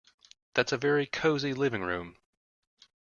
That's a very cosy living room